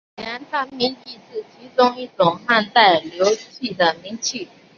粮仓明器是其中一种汉代流行的明器。